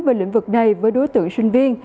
về lĩnh vực này với đối tượng sinh viên